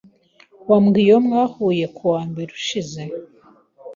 Wabwiye uwo mwahuye kuwa mbere ushize?